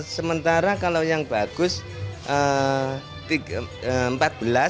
sementara kalau yang bagus rp empat belas